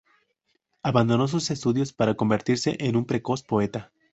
Abandonó sus estudios para convertirse en un precoz poeta.